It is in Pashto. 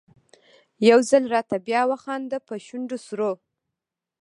يو ځل راته بیا وخانده په شونډو سرو